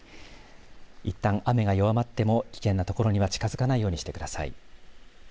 いったん雨が弱まっても危険な所には近づかないようにしてください。